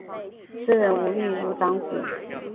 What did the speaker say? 诗人吴玉如长子。